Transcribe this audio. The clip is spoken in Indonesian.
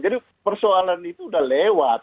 jadi persoalan itu udah lewat